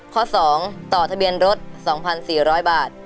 ข้อ๒ต่อทะเบียนรถ๒๔๐๐บาท